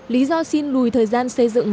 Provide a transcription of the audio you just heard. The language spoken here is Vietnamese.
lý do xin lùi thời gian xây dựng